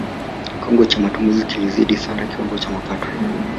kiwango cha matumizi kilizidi sana kiwango cha mapato